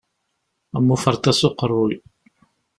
Am uferḍas uqerruy.